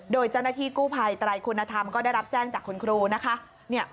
โดยเจ้าหน้าที่กู้ภัยไตรคุณธรรมก็ได้รับแจ้งจากคุณครูนะคะ